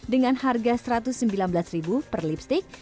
dengan harga rp satu ratus sembilan belas per lipstick